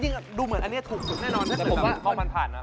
จริงดูเหมือนอันเนี้ยถูกสุดแน่นอน